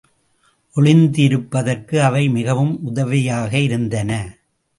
ஒளிந்திருப்பதற்கு அவை மிகவும் உதவியாயிருந்தன.